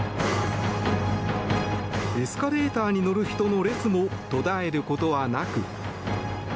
エスカレーターに乗る人の列も途絶えることはなく。